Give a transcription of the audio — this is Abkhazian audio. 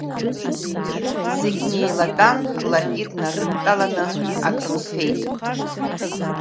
Зегьы неилатәан, ларгьы днарыдтәаланы акрылфеит.